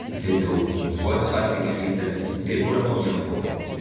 C'est au qu'on voit trace écrite de la cité pour la première fois.